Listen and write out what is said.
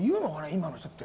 今の人って。